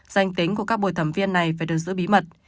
danh tính của các bồi thẩm viên này phải được giữ bí mật